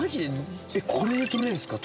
これで捕れるんすか？